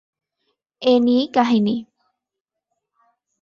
এ নিয়েই কাহিনী।